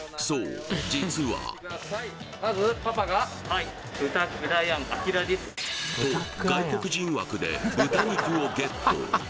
はいと外国人枠で豚肉をゲット